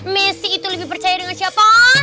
messi itu lebih percaya dengan siapa